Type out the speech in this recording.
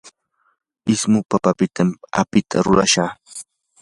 ismu papapitam apita rurashaa.